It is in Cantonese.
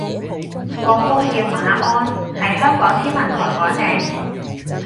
個風叫馬鞍，係香港天文台改名